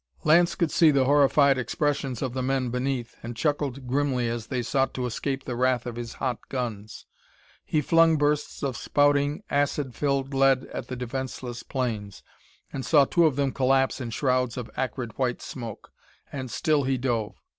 Lance could see the horrified expressions of the men beneath, and chuckled grimly as they sought to escape the wrath of his hot guns. He flung bursts of spouting, acid filled lead at the defenseless planes, and saw two of them collapse in shrouds of acrid white smoke. And still he dove.